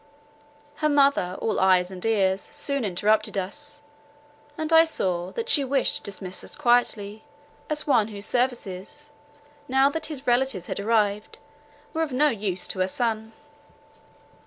Her mother, all eyes and ears, soon interrupted us; and I saw, that she wished to dismiss me quietly, as one whose services, now that his relatives had arrived, were of no use to her son.